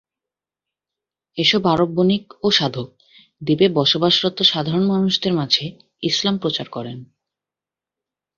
এসব আরব বণিক ও সাধক দ্বীপে বসবাসরত সাধারণ মানুষদের মাঝে ইসলাম প্রচার করেন।